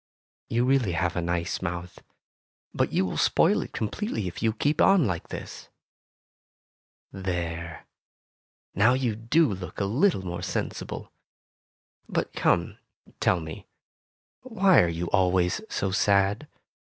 You really have a nice mouth, but you will spoil it completely if you keep on like this. There! Now you do look a little more sensible. But come, tell me, why are you always so sad